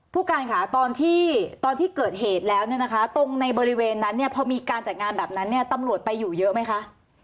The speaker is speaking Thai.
ผู้การค่ะตอนที่เกิดเหตุแล้วเนี่ยนะคะตรงในบริเวณนั้นเนี่ยพอมีการจัดงานแบบนั้นเนี่ยตำรวจไปอยู่เยอะไหมคะ